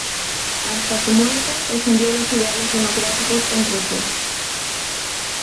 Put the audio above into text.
Hasta su muerte, defendió los ideales democráticos en Rusia.